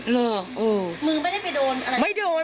มึงไม่ได้ไปโดนอะไร